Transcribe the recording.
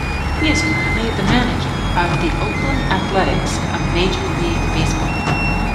He is currently the manager of the Oakland Athletics of Major League Baseball.